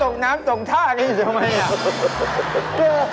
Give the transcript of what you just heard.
ส่งน้ำส่งช่างทำไมนะ